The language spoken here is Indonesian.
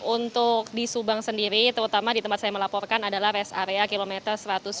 untuk di subang sendiri terutama di tempat saya melaporkan adalah rest area kilometer satu ratus tujuh puluh